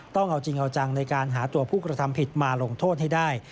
ต้องเอาจริงเอาจังในการหาตัวผู้กระทำผิดมาลงโทษให้ได้